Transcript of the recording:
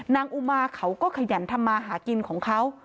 อุมาเขาก็ขยันทำมาหากินของเขา